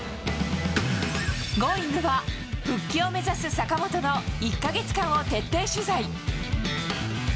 Ｇｏｉｎｇ！は、復帰を目指す坂本の１か月間を徹底取材。